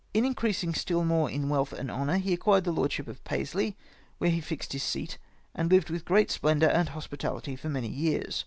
Increasing still more in wealth and honour, he acquired the lord ship of Paisley, where he fixed his seat, and hved with great splendour and hospitahty for many years.